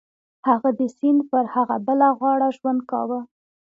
هغه د سیند پر هغه بله غاړه ژوند کاوه.